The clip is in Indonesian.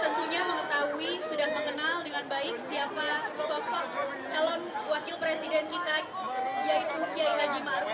tentunya mengetahui sudah mengenal dengan baik siapa sosok calon wakil presiden kita yaitu kiai haji maruf